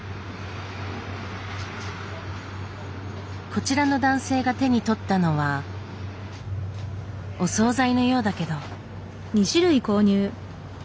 こちらの男性が手に取ったのはお総菜のようだけど。